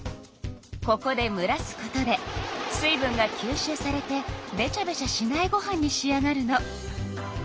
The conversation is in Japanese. ここでむらすことで水分がきゅうしゅうされてべちゃべちゃしないご飯に仕上がるの。